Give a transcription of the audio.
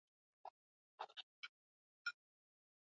mifumo ya fedha pamoja na migogoro ambayo